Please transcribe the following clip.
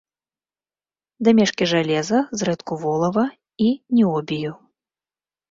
Дамешкі жалеза, зрэдку волава і ніобію.